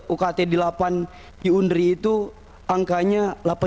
ukt delapan di undri itu angkanya delapan tujuh ratus